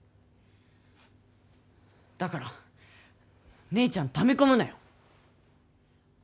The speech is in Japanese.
だから、姉ちゃんため込むなよ。